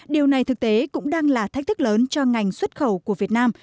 điều này thực tế cũng đang là thách thức lớn cho ngành xuất khẩu của việt nam